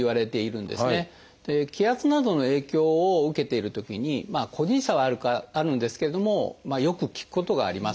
気圧などの影響を受けているときに個人差はあるんですけれどもよく効くことがあります。